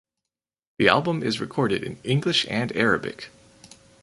The album is recorded in English and Arabic.